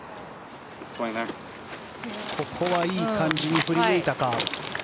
ここはいい感じに振り抜いたか。